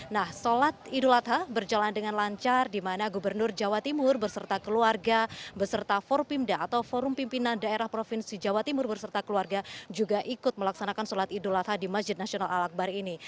nah sholat idul adha berjalan dengan lancar di mana gubernur jawa timur berserta keluarga beserta for pimda atau forum pimpinan daerah provinsi jawa timur berserta keluarga juga ikut melaksanakan sholat idul adha di masjid nasional al akbar ini